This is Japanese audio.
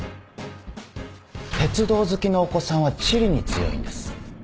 鉄道好きのお子さんは地理に強いんです。